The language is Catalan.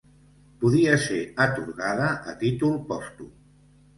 Podia ser atorgada a títol pòstum.